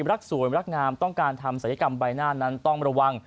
รักสวยรักงามต้องการทำศัลยกรรมใบหน้านั้นต้องระวัง